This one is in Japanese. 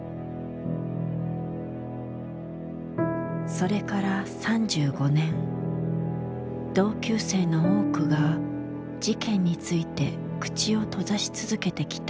それから３５年同級生の多くが事件について口を閉ざし続けてきた。